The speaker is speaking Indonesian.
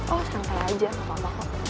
oh santai aja gak apa apa